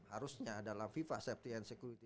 harusnya dalam viva safety and security